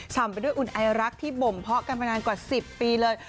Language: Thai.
ไปด้วยอุ่นไอรักที่บ่มเพาะกันมานานกว่า๑๐ปีเลย